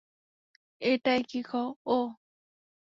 এটাই কি ও?